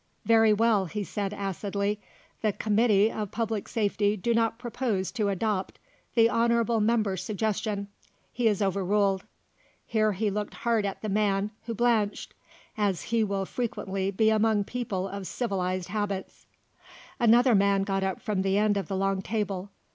"Very well," he said acidly; "the Committee of Public Safety do not propose to adopt the honourable member's suggestion. He is overruled," here he looked hard at the man, who blenched, "as he will frequently be among people of civilised habits." Another man got up from the end of the long table.